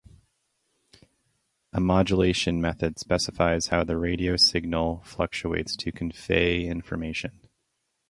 A modulation method specifies how the radio signal fluctuates to convey information.